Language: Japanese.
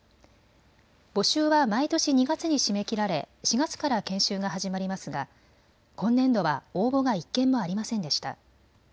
募集は毎年２月に締め切られ４月から研修が始まりますが今年度は応募が１件もありませんでした。